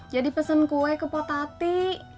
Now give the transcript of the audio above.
jadi pesen kue ke potati